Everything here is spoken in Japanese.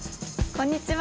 こんにちは。